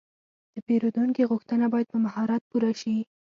د پیرودونکي غوښتنه باید په مهارت پوره شي.